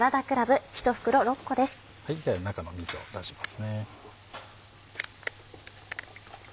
では中の水を出しますね。